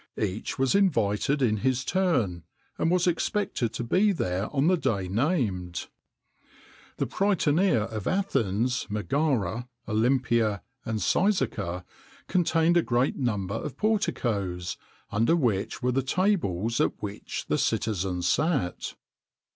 Each was invited in his turn, and was expected to be there on the day named.[XXIX 85] The Prytanea of Athens, Megara, Olympia, and Cyzica, contained a great number of porticoes, under which were the tables at which the citizens sat.